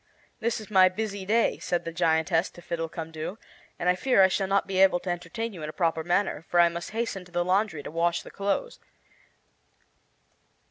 "This is my busy day," said the giantess to Fiddlecumdoo, "and I fear I shall not be able to entertain you in a proper manner, for I must hasten to the laundry to wash the clothes.